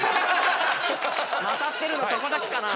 勝ってるのそこだけかな。